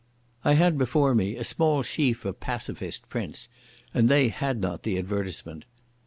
I had before me a small sheaf of pacifist prints, and they had not the advertisement.